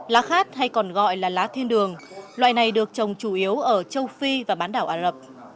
lá khát hay còn gọi là lá thiên đường loại này được trồng chủ yếu ở châu phi và bán đảo ả rập